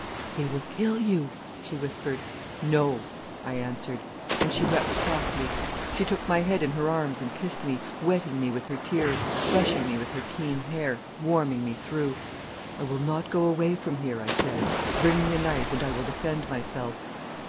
"'They will kill you,' she whispered. "'No,' I answered. "And she wept softly. She took my head in her arms and kissed me, wetting me with her tears, brushing me with her keen hair, warming me through. "'I will not go away from here,' I said. 'Bring me a knife, and I will defend myself.